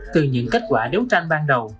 từ những kết quả đấu tranh ban đầu